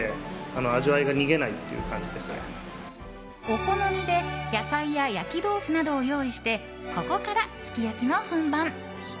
お好みで野菜や焼き豆腐などを用意備してここから、すき焼きの本番！